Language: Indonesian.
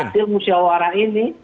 hasil musyawarah ini